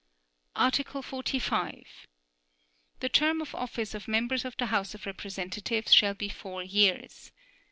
Article 45. The term of office of members of the House of Representatives shall be four years.